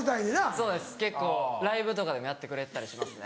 そうです結構ライブとかでもやってくれてたりしますね。